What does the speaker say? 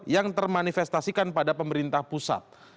yang termanifestasikan pada pemerintah pusat